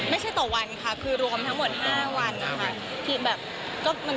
ไม่ใช่ต่อวันค่ะที่รวมทั้งหมด๕วัน